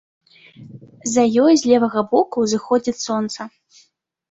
За ёй з левага боку ўзыходзіць сонца.